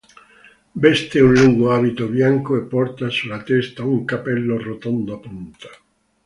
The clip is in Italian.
Veste un lungo abito bianco e porta sulla testa un cappello rotondo a punta.